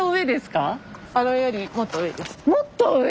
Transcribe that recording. もっと上⁉